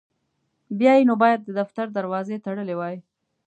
بیا یې نو باید د دفتر دروازې تړلي وای.